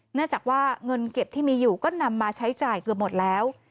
เนื่องจากว่าเงินเก็บที่มีอยู่ก็นำมาใช้จ่ายเกือบหมดแล้ว